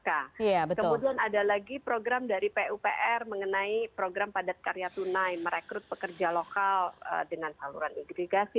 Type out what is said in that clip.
kemudian ada lagi program dari pupr mengenai program padat karya tunai merekrut pekerja lokal dengan saluran igrigasi